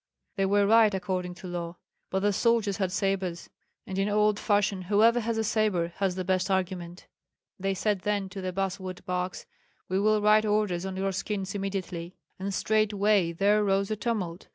"They were right according to law; but the soldiers had sabres, and in old fashion whoever has a sabre has the best argument. They said then to the basswood barks, 'We will write orders on your skins immediately.' And straightway there rose a tumult.